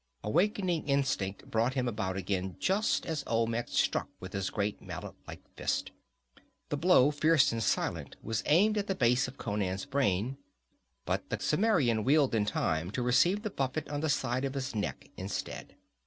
Awakening instinct brought him about again, just as Olmec struck with his great mallet like fist. The blow, fierce and silent, was aimed at the base of Conan's brain. But the Cimmerian wheeled in time to receive the buffet on the side of his neck instead.